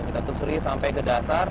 kita telusuri sampai ke dasar